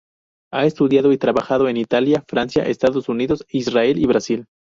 Ha estudiado y trabajado en Italia, Francia, Estados Unidos, Israel y Brasil.